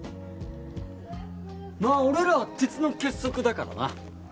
まあ俺らは鉄の結束だからな。